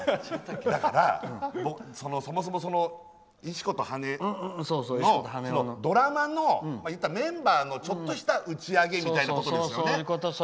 だから、そもそも「石子と羽男」ドラマのメンバーのちょっとした打ち上げですよね。